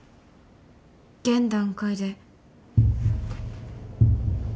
現段階で。